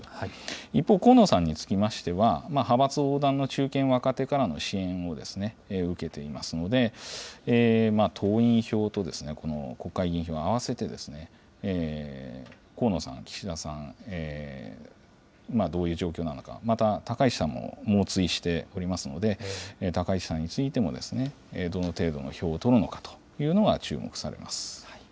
一方、河野さんにつきましては、派閥横断の中堅・若手からの支援を受けていますので、党員票と国会議員票合わせて河野さん、岸田さん、どういう状況なのか、また、高市さんも猛追しておりますので、高市さんについても、どの程度の票を取るのかというのが注目されます。